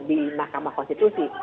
di mahkamah konstitusi